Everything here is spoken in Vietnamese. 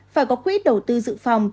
phải có quỹ đầu tư dự phòng